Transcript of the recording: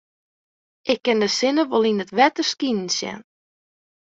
Ik kin de sinne wol yn it wetter skinen sjen.